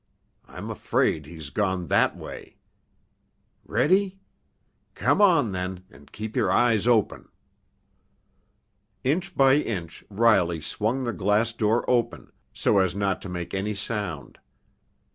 I'm afraid he's gone that way! Ready? Come on, then, and keep your eyes open!" Inch by inch Riley swung the glass door open, so as not to make any sound.